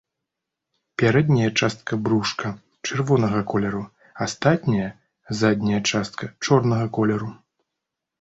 Пярэдняя частка брушка чырвонага колеру, астатняя задняя частка чорнага колеру.